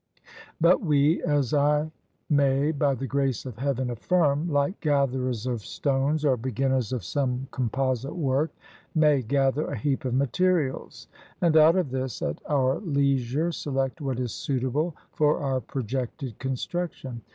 But we, as I may by the grace of Heaven affirm, like gatherers of stones or beginners of some composite work, may gather a heap of materials, and out of this, at our leisure, select what is suitable for our projected construction.